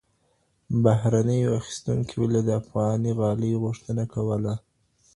بهرنیو اخیستونکو ولې د افغاني غالیو غوښتنه کوله؟